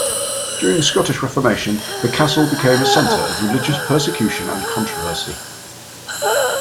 During the Scottish Reformation, the castle became a centre of religious persecution and controversy.